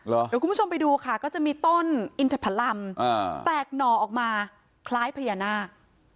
เดี๋ยวคุณผู้ชมไปดูค่ะก็จะมีต้นอินทพลัมแตกหน่อออกมาคล้ายพญานาค